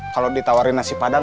kalau ditawarin nasi padang